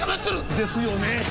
「ですよね」。